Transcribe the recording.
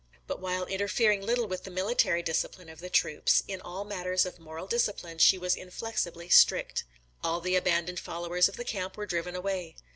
But while interfering little with the military discipline of the troops, in all matters of moral discipline she was inflexibly strict. All the abandoned followers of the camp were driven away.